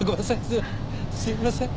すいません。